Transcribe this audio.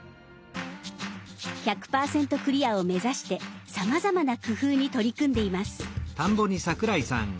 １００％クリアを目指してさまざまな工夫に取り組んでいます。